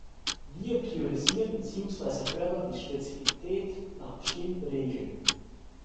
Wir priorisieren beziehungsweise fördern die Spezifität nach bestimmten Regeln.